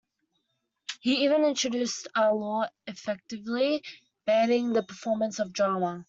He even introduced a law effectively banning the performance of drama.